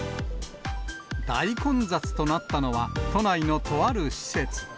大混雑となったのは、都内のとある施設。